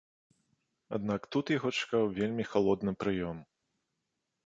Аднак тут яго чакаў вельмі халодны прыём.